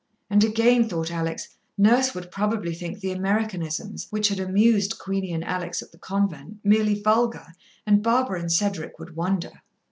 And again, thought Alex, Nurse would probably think the Americanisms, which had amused Queenie and Alex at the convent, merely vulgar, and Barbara and Cedric would wonder.